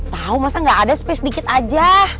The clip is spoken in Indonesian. tau masa gak ada space dikit aja